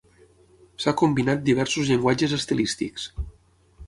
S'ha combinat diversos llenguatges estilístics.